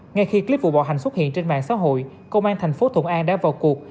ngay khi clip vụ bỏ hành xuất hiện trên mạng xã hội công an tp thuận an đã vào cuộc